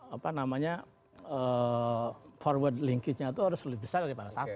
apa namanya forward linkage nya itu harus lebih besar daripada satu